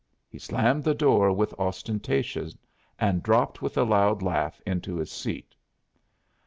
He slammed the door with ostentation and dropped with a loud laugh into his seat.